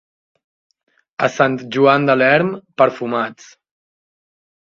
A Sant Joan de l'Erm, perfumats.